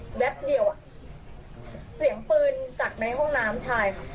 ในห้องน้ำแต่แค่แป๊บเดียวดูพี่แป๊บเดียวอ่ะเสียงปืนจากในห้องน้ำใช่ค่ะ